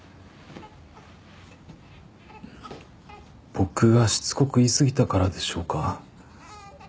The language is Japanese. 僕がしつこく言いすぎたからでしょうか。